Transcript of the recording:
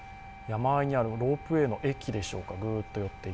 山あいにあるロープウェイの駅でしょうか。